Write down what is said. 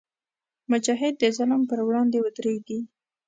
مجاهد د ظلم پر وړاندې ودریږي.